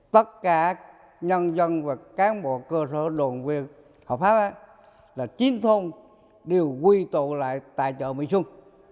tất cả nhân dân và cán bộ cơ sở đồn quyền hợp pháp là chín thôn đều quy tụ lại tại chợ mỹ xuân